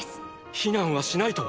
避難はしないと？